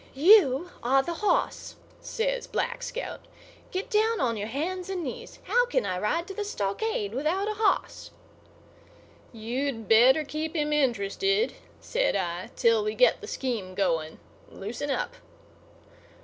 "You are the hoss," says Black Scout. "Get down on your hands and knees. How can I ride to the stockade without a hoss?" "You'd better keep him interested," said I, "till we get the scheme going. Loosen up."